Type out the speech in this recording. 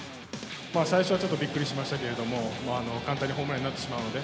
最初はちょっとびっくりしましたけども、簡単にホームランになってしまうので。